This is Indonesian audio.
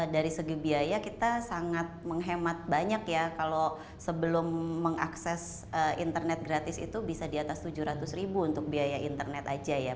dari segi biaya kita sangat menghemat banyak ya kalau sebelum mengakses internet gratis itu bisa di atas tujuh ratus ribu untuk biaya internet aja ya